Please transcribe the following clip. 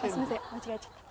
間違えちゃった。